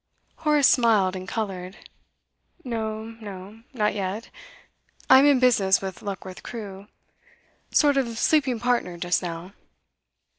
Horace smiled and coloured. 'No, no not yet. I'm in business with Luckworth Crewe, sort of sleeping partner just now.